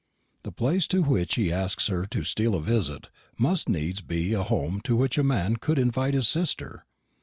The place to which he asks her to "steal a visit" must needs be a home to which a man could invite his sister.